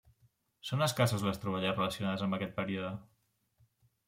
Són escassos les troballes relacionades amb aquest període.